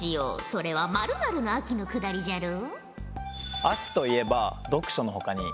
それは○○の秋のくだりじゃろ？